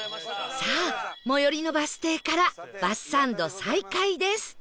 さあ最寄りのバス停からバスサンド再開です